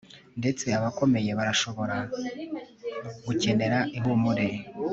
ndetse abakomeye barashobora gukenera ihumure